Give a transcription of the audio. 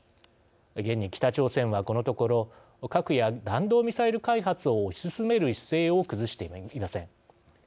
現に、北朝鮮は、このところ核や弾道ミサイル開発を推し進める姿勢を崩していません。